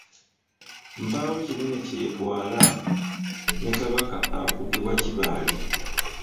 Mpaawo kinene kyetwala, ne Kabaka afugibwa Kibaale.